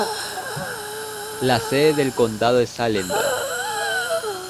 La sede del condado es Allendale.